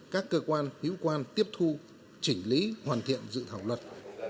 các cơ quan hữu quan tiếp thu chỉnh lý hoàn thiện dự thảo luật